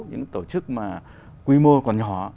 những tổ chức mà quy mô còn nhỏ